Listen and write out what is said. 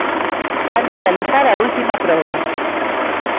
Vanlle realizar a última proba.